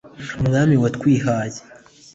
umwami watwihaye